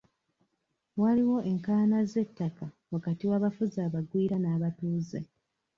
Waliwo enkayana z'ettaka wakati w'abafuzi abagwira n'abatuuze.